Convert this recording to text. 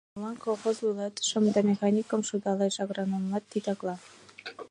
Молан колхоз вуйлатышым да механикым шудалеш, агрономымат титакла?